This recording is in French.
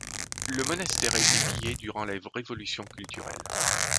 Le monastère a été pillé durant la révolution culturelle.